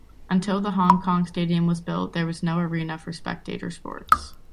Until the Hong Kong Stadium was built, there was no arena for spectator sports.